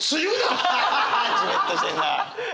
じめっとしてんな！